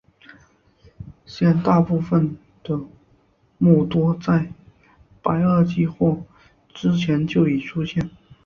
现存大部分的目多在白垩纪或之前就已出现。